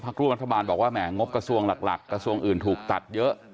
ร่วมรัฐบาลบอกว่าแหงบกระทรวงหลักกระทรวงอื่นถูกตัดเยอะ